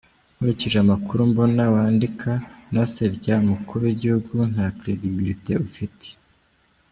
Nkurikije amakuru mbona wandika unasebya umukuru w’igihugu, nta credibility ufite!